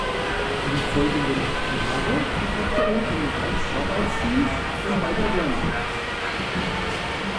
Die folgenden acht Jahre verbrachte er im Reichsarbeitsdienst und bei der Wehrmacht.